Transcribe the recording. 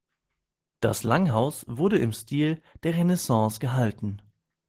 Das Langhaus wurde im Stil der Renaissance gehalten.